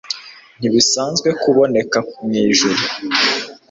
ntibisanzwe kuboneka mwijuru